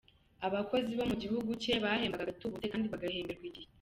-Abakozi bo mu gihugu cye bahembwaga agatubutse kandi bagahemberwa igihe.